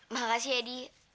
makasih ya di